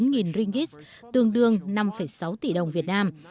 giá chín trăm tám mươi chín ringgit tương đương năm sáu tỷ đồng việt nam